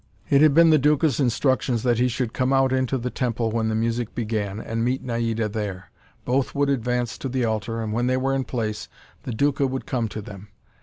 It had been the Duca's instructions that he should come out into the temple when the music began, and meet Naida there. Both would advance to the altar, and when they were in place, the Duca would come to them.